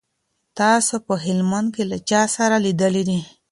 تاسو په هلمند کي له چا سره لیدلي دي؟